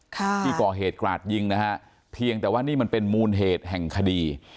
ค่ะที่ก่อเหตุกราดยิงนะฮะเพียงแต่ว่านี่มันเป็นมูลเหตุแห่งคดี